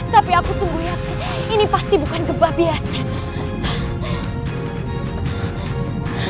tapi aku yakin ini bukan gempa biasa